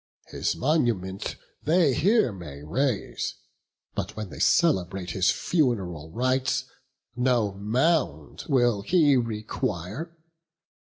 His monument They here may raise; but when they celebrate His fun'ral rites, no mound will he require."